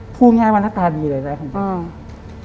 ผู้ง่ายว้างหน้ากลายดีเลยแล้วผมฟัง